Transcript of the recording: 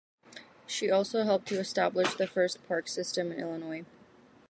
She also helped to establish the first park system in Illinois.